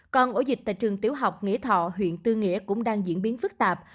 còn ổ dịch tại trường tiểu học nghĩa thọ huyện tư nghĩa cũng đang diễn biến phức tạp